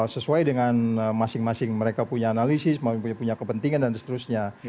sesuai dengan masing masing mereka punya analisis punya kepentingan dan seterusnya